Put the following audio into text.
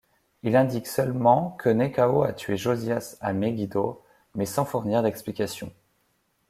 Il indique seulement que Nékao a tué Josias à Megiddo, mais sans fournir d'explication.